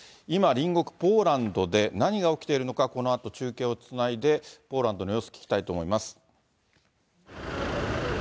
今、隣国ポーランドで何が起きているのか、このあと中継をつないで、ポーランドの様子、聞きたいと思います。